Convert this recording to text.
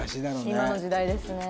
今の時代ですね。